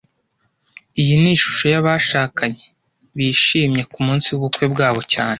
Iyi ni ishusho yabashakanye bishimye kumunsi wubukwe bwabo cyane